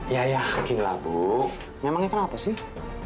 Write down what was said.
ya yakin lah bu memangnya kenapa sih